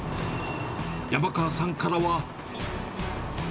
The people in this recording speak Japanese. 山川さんからは。